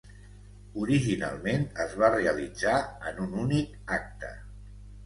Originalment es va realitzar en un únic acte.